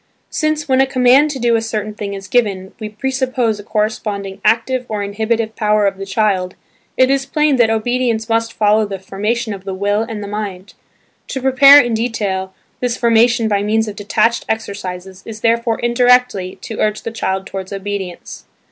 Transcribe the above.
Since, when a command to do a certain thing is given, we presuppose a corresponding active or inhibitive power of the child, it is plain that obedience must follow the formation of the will and of the mind. To prepare, in detail, this formation by means of detached exercises is therefore indirectly, to urge the child towards obedience.